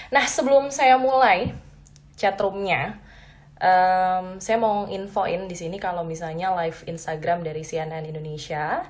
nah sebelum saya mulai chatroomnya saya mau infoin disini kalau misalnya live instagram dari cnn indonesia